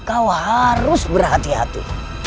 kau harus berhati hati